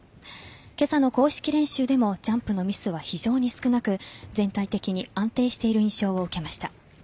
今朝の公式練習でもジャンプのミスは非常に少なく全体的に安定している印象を受けました。